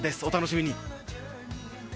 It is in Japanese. お楽しみに。